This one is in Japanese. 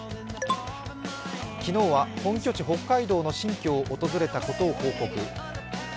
昨日は本拠地・北海道の新居を訪れたことを報告。